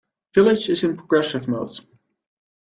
Village is in progressive mode.